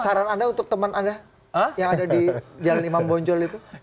saran anda untuk teman anda yang ada di jalan imam bonjol itu